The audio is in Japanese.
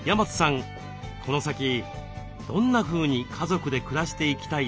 この先どんなふうに家族で暮らしていきたいですか？